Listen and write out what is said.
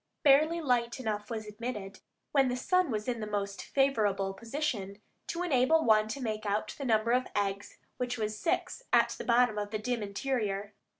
Barely light enough was admitted, when the sun was in the most favorable position, to enable one to make out the number of eggs, which was six, at the bottom of the dim interior.